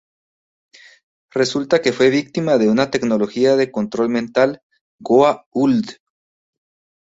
Resulta que fue víctima de una tecnología de control mental Goa'uld.